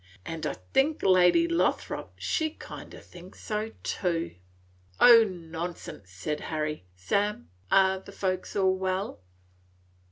An' I think Lady Lothrop, she kind o' thinks so too." "O nonsense!" said Harry. "Sam, are the folks all well?"